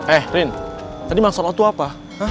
eh rin tadi maksud lo tuh apa